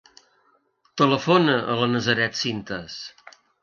Telefona a la Nazaret Cintas.